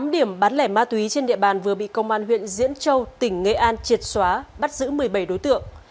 tám điểm bán lẻ ma túy trên địa bàn vừa bị công an huyện diễn châu tỉnh nghệ an triệt xóa bắt giữ một mươi bảy đối tượng